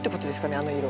あの色。